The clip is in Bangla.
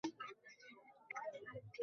মনে হয় না নতুন করে পরিচয় দেয়া লাগবে।